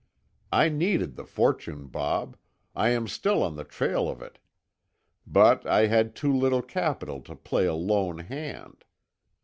I needed the fortune, Bob; I am still on the trail of it. But I had too little capital to play a lone hand.